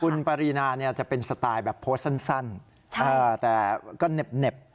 คุณปรินาจะเป็นสไตล์แบบโพสต์สั้นแต่ก็เหน็บ